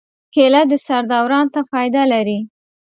کېله د سر دوران ته فایده لري.